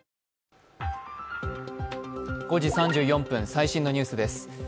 最新のニュースです。